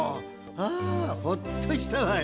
あほっとしたわい。